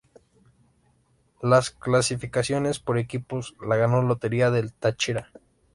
Las clasificaciones por equipos la ganó Lotería del Táchira.